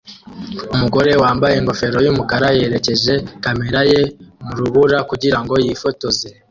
Umugore wambaye ingofero yumukara yerekeje kamera ye mu rubura kugirango yifotoze